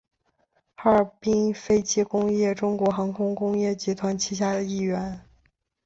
哈尔滨飞机工业中国航空工业集团旗下一员。